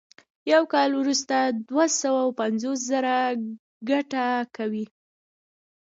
یو کال وروسته دوه سوه پنځوس زره ګټه کوي